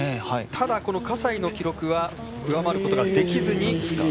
ただ、葛西の記録は上回ることができずに。